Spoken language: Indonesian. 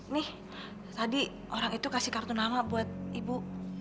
nih tadi orang itu kasih kartu nama buat ibu